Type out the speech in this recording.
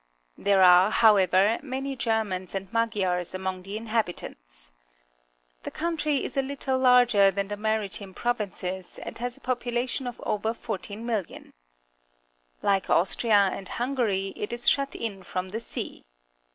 There are, however, many Germans and Magj^ars among the inhabitants. The country is a uttle larger than the Maritime Pro\'inces and has a population of over 14,000,000. Like Austria and Hungary, it is shut in from the sea.